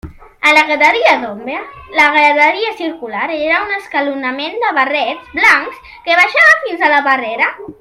A la graderia d'ombra, la graderia circular era un escalonament de barrets blancs que baixava fins a la barrera.